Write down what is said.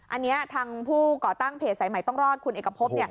อันนี้ทางผู้ก่อตั้งเพจสายใหม่ต้องรอดคุณเอกพบ